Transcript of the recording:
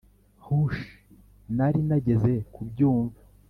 hush! nari narigeze kubyumva.